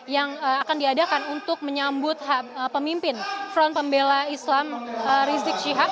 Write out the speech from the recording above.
yang akan diadakan untuk menyambut pemimpin front pembela islam rizik syihab